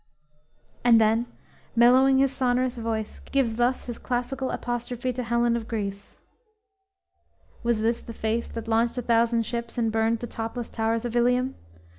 "_ And then mellowing his sonorous voice, gives thus his classical apostrophe to Helen of Greece: _"Was this the face that launched a thousand ships And burned the topless towers of Illium?